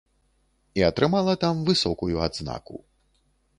І атрымала там высокую адзнаку.